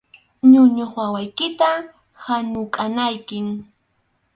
Ñuñuq wawaykita hanukʼanaykim.